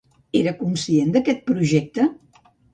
Era conscient d'aquest projecte?